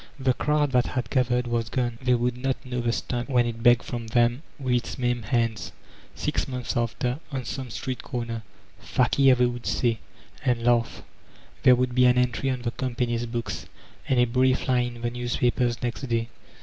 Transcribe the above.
The crowd that had gathered was gone; they would not know the Stump when it begged from them with its maimed hands, six months after, on some street comer. "Fakir" they would say, and laugh. There would be an entry on the company's books, and a brief line in the newspapers next day.